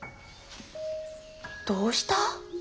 どうした？